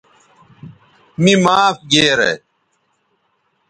می معاف گیرے